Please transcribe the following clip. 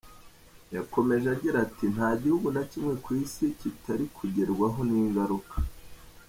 Yakomeje agira ati “Nta gihugu na kimwe ku Isi kitari kugerwaho n’ingaruka.